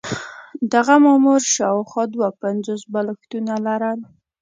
دغه مامور شاوخوا دوه پنځوس بالښتونه لرل.